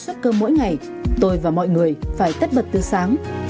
vì đủ một trăm năm mươi suất cơm mỗi ngày tôi và mọi người phải tất bật từ sáng